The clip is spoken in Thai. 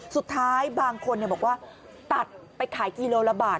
สุดท้ายบางคนบอกว่าตัดไปขายกิโลละบาท